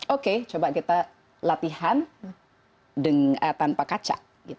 oke coba kita latihan tanpa kaca